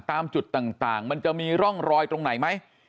ตามจุดต่างมันจะมีร่องรอยตรงไหนไหม